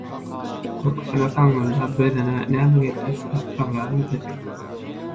Gorkusyna saňňyldap diline näme gelse samraberdi: